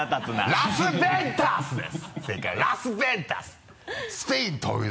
「ラス・ベンタス」です